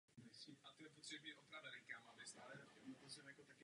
Zčásti mohu souhlasit s tím, co řekl můj předřečník.